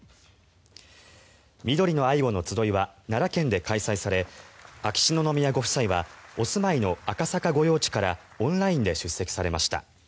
「みどりの愛護」のつどいは奈良県で開催され秋篠宮ご夫妻はお住まいの赤坂御用地からオンラインで出席されました。